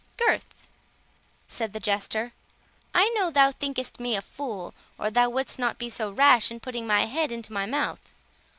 "Gurth," said the Jester, "I know thou thinkest me a fool, or thou wouldst not be so rash in putting thy head into my mouth.